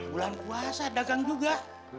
bulan puasa dagang juga